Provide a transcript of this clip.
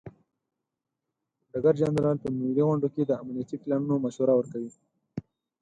ډګر جنرال په ملي غونډو کې د امنیتي پلانونو مشوره ورکوي.